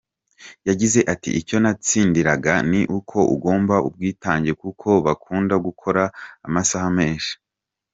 Yagize ati “Icyo natsindagira ni uko ugomba ubwitange kuko bakunda gukora amasaha menshi.